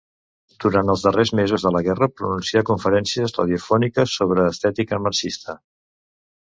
Durant els darrers mesos de la guerra pronuncià conferències radiofòniques sobre estètica marxista.